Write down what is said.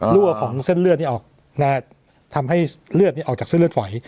ของเส้นเลือดนี้ออกทำให้เลือดออกจากเส้นเลือดฝอย